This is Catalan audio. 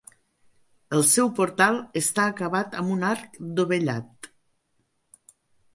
El seu portal està acabat amb un arc dovellat.